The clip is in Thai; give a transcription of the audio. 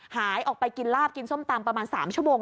หายออกไปกินลาบกินส้มตำประมาณ๓ชั่วโมง